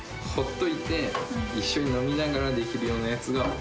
ほっといて、一緒に飲みながらできるようなやつが。